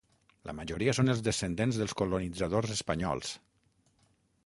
La majoria són els descendents dels colonitzadors espanyols.